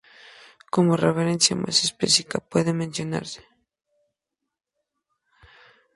Como referencia más específica puede mencionarse:"